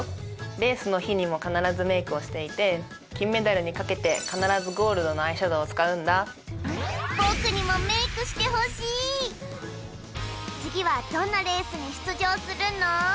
レースの日にも必ずメイクをしていて金メダルにかけて必ずゴールドのアイシャドウを使うんだ僕にもメイクしてほしい次はどんなレースに出場するの？